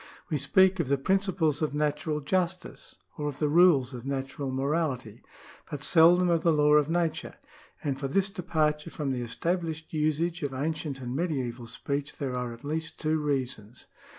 We speak of the principles of natural justice, or of the rules of natural morality, but seldom of the law of nature, and for this de parture from the established usage of ancient and medieval speech there are at least two reasons.